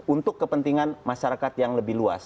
untuk kepentingan masyarakat yang lebih luas